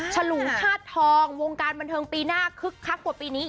ฉลูธาตุทองวงการบันเทิงปีหน้าคึกคักกว่าปีนี้